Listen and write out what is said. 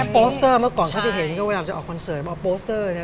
โปสเตอร์เมื่อก่อนเขาจะเห็นก็พยายามจะออกคอนเสิร์ตมาโปสเตอร์เนี่ย